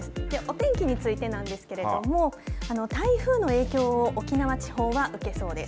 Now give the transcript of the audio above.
お天気についてなんですけれども台風の影響を沖縄地方は受けそうです。